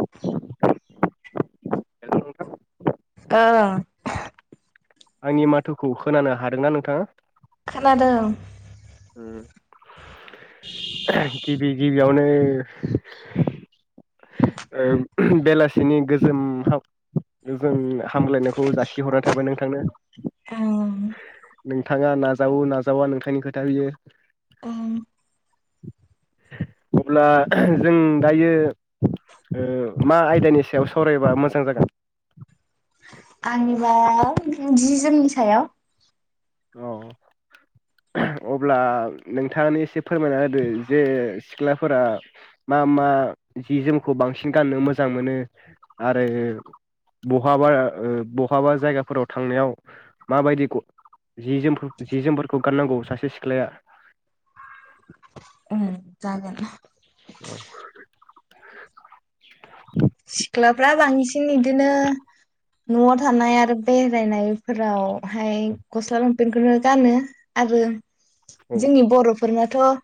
[inaudible] हेल' नोंथां अ आंनि माथोखौ खोनानो हादोंना नोंथाङा? खोनादों उ [inaudible] गिबि गिबियावनो ओ बेलासिनि गोजोम हाम गोजोम हामलायनायखौ जासिहरना थाबाय नोंथांनो ओं नोंथाङा नाजावो नाजावा नोंथांनि खोथा बियो। ओं अब्ला जों दायो मा आयदानि सायाव सावरायबा मोजां जागोन? आंनिबा जि जोमनि सायाव। अ अब्ला नोंथाङानो एसे फोरमायना होदो जे सिख्लाफोरा मा मा जि जोमखौ बांसिन गाननो मोजां मोनो आरो बहाबा बहाबा जायगाफोराव थांनायाव माबायदि जि जोम जि जोमफोरखौ गाननांगौ सासे सिख्लाया उम जागोन। औ सिख्लाफ्रा बांसि बांसिन बिदिनो नआव थानाय आरो बेरायनायफोरावहाय गस्ला लंपेन्खौनो गानो आरो औ जोंनि बर'फोरा बरफोरनाथ'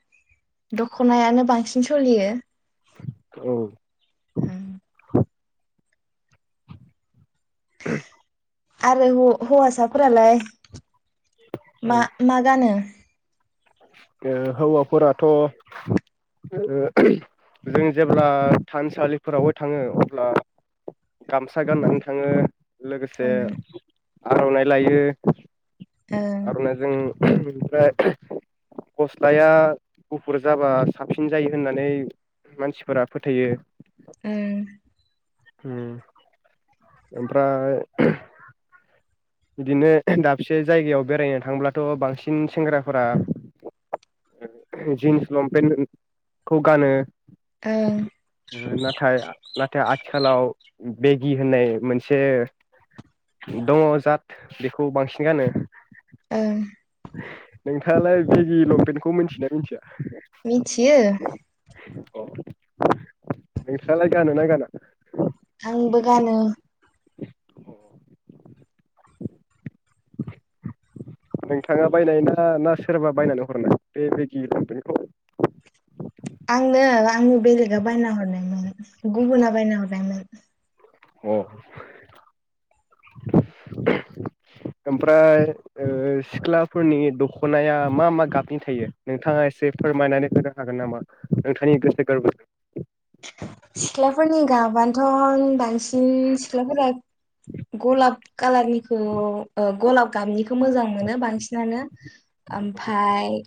दखनायानो बांसिन सलियो। औ [inaudible] ए आरो हौवासाफोरालाय? मा मा गानो? ओ हौवाफोराथ' ओ जों जेब्ला थानसालिफोरावबो थाङो अब्ला गामसा ओं गाननानै थाङो लोगोसे आरनाइ लायो। ओं आरनायजों ओमफ्राय गस्लाया गुफुर जाबा साबसिन जायो होननानै मानसिफोरा फोथायो। ओह उम ओमफ्राय बिदिनो दाबसे जायगायाव बेरायनो थांब्लाथ' बांसिन सेंग्राफोरा जिन्स लंपेन्टखौ गानो। ओं नाथाय नाथाय आथिखालाव आथिखालाव बेगि होननाय मोनसे दङ जात बेखौ बांसिन गानो। ओह नोंथाङालाय बेगि लंपेन्टखौ मिथियोना मिथिया? मिथियो। अ नोंस्रालाय गानो ना गाना? आंबो गानो। नोंथाङा बायनायना ना सोरबा बायनानै हरनाय बे बेगि लंपेन्टखौ? आंनो आंनि बेलेगा बायना हरनायमोन गुबुना बायना हरनायमोन। अ ओमफ्राय ओ सिख्लाफोरनि दखनाया मा मा गाबनि थायो नोंथाङा एसे फोरमायनानै होनो हागोन नामा नोंथांनि गोसो गोर्बोजों सिख्लाफोरनि गाबानथ बांसिन सिख्लाफोरा गलाब कालारनिखौ ओ गलाब गाबनिखौ खौ मोजां मोनो बांसिनानो ओमफ्राय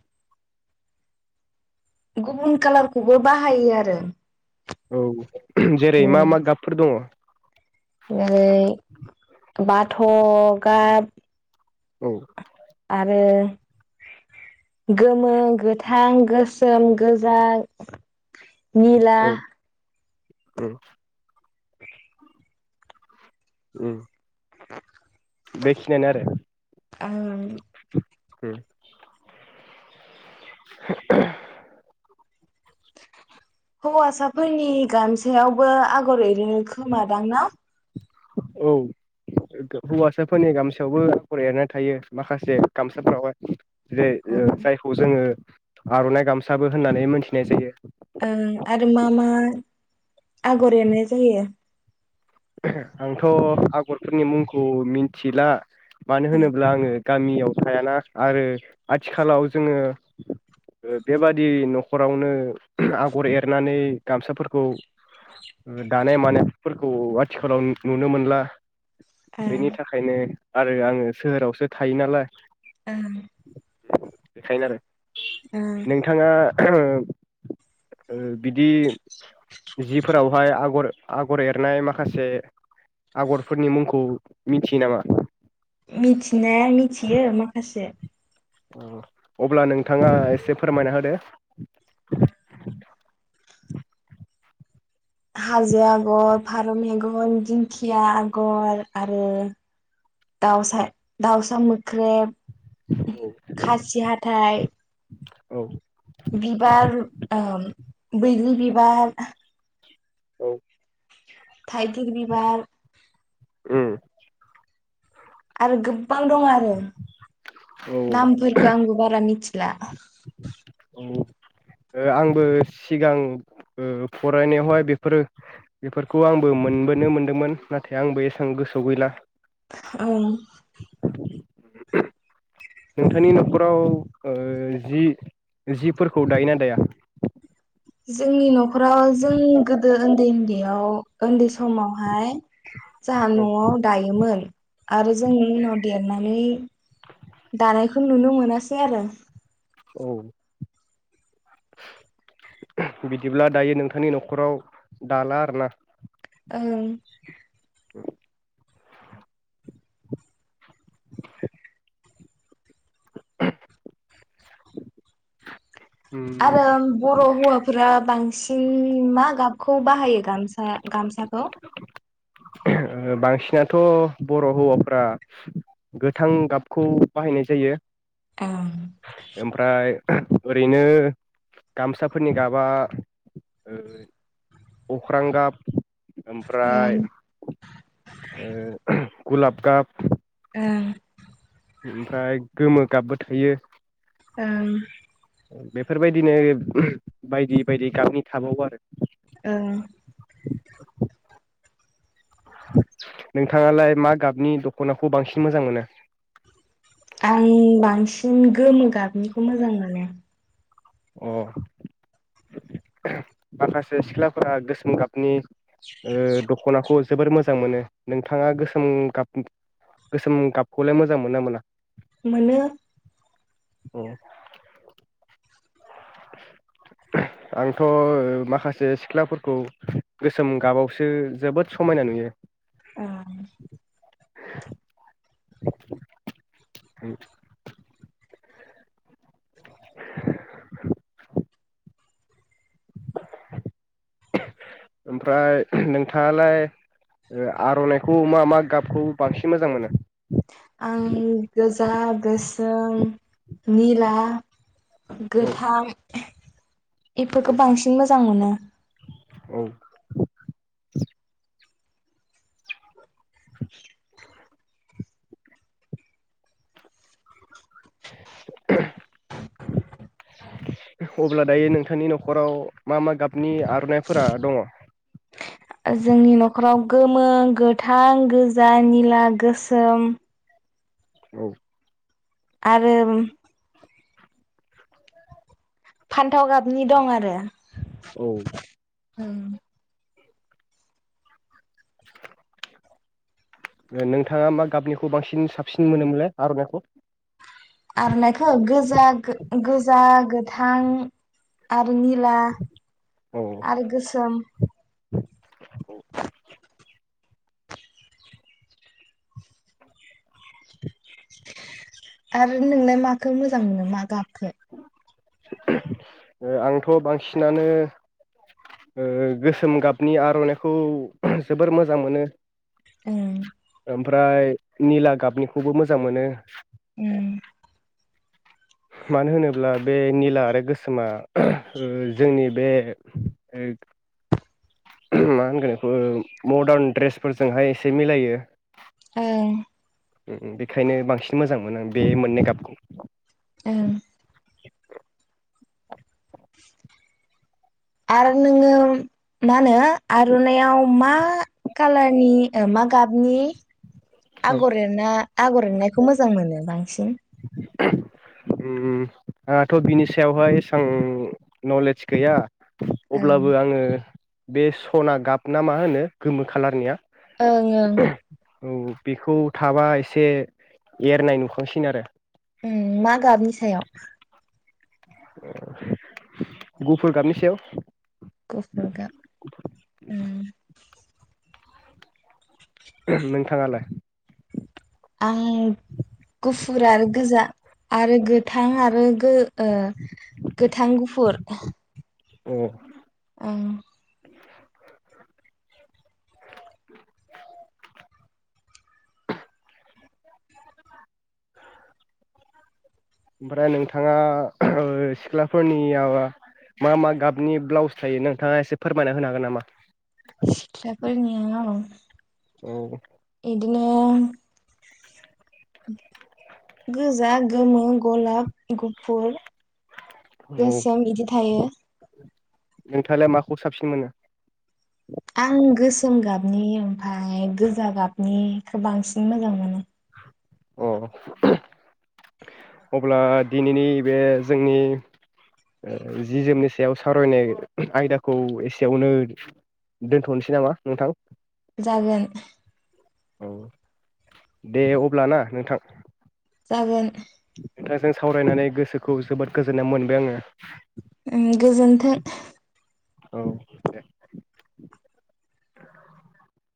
गुबुन कालारखौबो बाहायो आरो। औ जेरै मा-मा गाबफोर दङ? ओै बाथ गाब। औ आरो गोमो गोथां गोसोम गोजा निला उ। ओ बेखिनियानो आरो। ओं ए। हौवासाफोरनि गामसायावबो आगर एरैनो खोमादां ना? औ हौवासाफोरनि गामसायावबो आगर एरनाय थायो माखासे गामसाफोरावहाय। जेरै जायखौ जोङो आरनाइ गामसाबो होननानै मोनथिनाय जायो। ओं आरो मा मा आगर एरनाय जायो। आंथ आगरफोरनि मुंखौ मिथिला। मानो ओं होनोब्ला आङो गामियाव थायाना आरो आथिखालाव जोङो बेबादि नखरावनो आगर एरनानै गामसाफोरखौ दानाय मानायफोरखौ आथिखालाव नुनो मोनला। ओं बेनि थाखायनो आरो आङो सोहोरावसो थायो नालाय। ओ। बेखायनो आरो। नोंथाङा ओ ओ बिदि जिफोरावहाय आगर आगर एरनाय मा माखासे आगरफोरनि मुंखौ मिथियो नामा? मिथिनाया मिथियो माखासे। औ अब्ला नोंथाङा एसे फोरमायना होदो। हाजो आगर फारौ मेगन दिंखिया आगर आरो दाउसा दाउसा मोख्रेब। खासि हाथाय औ। बिबार ओ बैग्रि बिबार औ। थाइगिर बिबार। उम आरो गोबां दं आरो। ओ नामफोरखौ आंबो बारा मिथिला। औ आंबो सिगां ओ फरायनायावहाय बेफोरो बेफोरखौ आंबो मोनबोनो मोनदोंमोन नाथाय आंबो एसेबां गोसोआव गैला। ओं [inaudible] नोंथांनि नखराव जि जिफोरखौ दायोना दाया? जोंनि नखराव जों गोदो उन्दै उन्दैयाव उन्दै समावहाय जाहा नआव दायोमोन आरो जों उनाव देरनानै दानायखौ नुनो मोनासै आरो औ बिदिब्ला दायो नोंथांनि नखराव दाला आरो ना ओं [inaudible] उम आरो बर हौवा फुरा बांसिन मा गाबखौ बाहायो गामसा गामसाखौ ओ बांसिनाथ बर' हौवाफोरा गोथां गाबखौ बाहायनाय जायो औ ओमफ्राय ओरैनो गामसाफोरनि गाबा ओ अख्रां गाब ओं ओमफ्राय ओ गुलाब गाब ओं ओमफ्राय गोमो गाबबो थोयो ओं बेफोरबायदिनो बायदि बायदि गाबनि थाबावो आरो ओं नोंथांङालाय मा गाबनि दखनाखौ बांसिन मोजां मोनो आं बांसिन गोमो गाबनिखौ मोजां मोनो अ माखासे सिख्लाफोरा गोसोम गाबनि ओ दखनाखौ जोबोर मोजां मोनो नोंथांङा गोसोम गाब गोसोम गाबखौलाय मोजां मोनोना मोना मोनो अ आंथ माखासे सिख्लाफोरखौ गोसोम गाबावसो जोबोद समायना नुयो ए [inaudible] [inaudible] ओमफ्राय नोंथांङालाय आरनाइखौ मा मा गाबखौ बांसिन मोजां मोनो आं गोजा, गोसोम, निला औ गोथां एफोरखौ बांसिन मोज जां मोनो औ [inaudible] अब्ला दायो नोंथांनि नखराव मा मा गाब जोंनि नखराव गोमो गोथां, गोजा, निला, गोसोम औ आरो फान्थाव गाबनि दं आरो औ ओं नोंथांङा मा गाबनिखौ बांसिन साबसिन मोनोमोनलाय आरनाइखौ? आर'नाखौ गोजा गोजा गोथां आ रो निला औ आरो गोसोम [inaudible] [inaudible] आरो नोंलाय माखौ मोजां मोनो मा गाब? खो [inaudible] आंथ' बांसिनानो ओ गोसोम गाबनि आर'नाइखौ जोबोर मोजां मोनो। ओम ओमफ्राय निला गाबनिखौबो मोजां मोनो। उम मानो होनोब्ला बे निला आरो गोसोमा ओ जोंनि बे मा होनगोन बेखौ मदार्न ड्रेसफोरजोंहाय एसे मिलायो। ओ बेखायनो बांसिन मोजांमोन आं बे मोन्नै गाबखौ [inaudible] आरो नोङो मा होनो आर'नाइाव मा कालारनि मा गाबनि आगर एरना आगर एरनायखौ मोजां मोनो बांल बांसिन उम आंहाथ' बिनि सायावहाय एसबां नलेज गैया। ओं अब्लाबो आङो बे स'ना गाब ना मा होनो गोमो खालारनिया ओं ओं औ बेखौ थाबा एसे एरनाय नुखांसिनो आरो ओं मा गाबनि सायाव [inaudible] गुफुर गाबनि सयाव गुफुर गाब उम नोंथाङालाय? आं गुफुर आरो गोजा आरो गोथां आरो गो-ओ गोथां गुफुर अह ओं [unintelligible] [inaudible] ओमफ्राय नोंथाङा ओ सिख्लाफोरनियाव मा मा गाबनि ब्लाउस थायो नोंथाङा एसे फोरमायना होनो हागोन नामा? सिख्लाफोरनियाव औ बिदिनो गोजा, गोमो, गलाब, गुफुर औ गोसोम बिदि थायो। नोंथाङालाय माखौ साबसिन मोनो? आं गोसोम गाबनि ओमफाय गोजा गाबनिखो बांसिन मोजां मोनो। अ अब्ला दिनैनि बे जोंनि जि-जोमनि सायाव सावरायनाय आयदाखौ एसेयावनो दोनथनोसै नामा नोंथां? जागोन। [inaudible] औ दे अब्ला ना नोंथां। जागोन [inaudible] नोंथांजों सावरायनानै गोसोखौ जोबोद गोजोननाय मोनबाय आङो। ओं गोजोन्थों। औ दे। [inaudible]